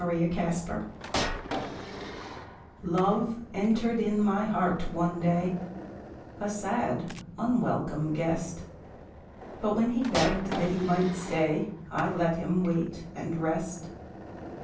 The Wayfarer Love entered in my heart one day, A sad, unwelcome guest; But when he begged that he might stay, I let him wait and rest.